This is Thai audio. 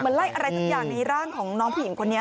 ไล่อะไรสักอย่างในร่างของน้องผู้หญิงคนนี้